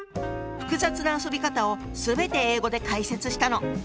複雑な遊び方を全て英語で解説したの。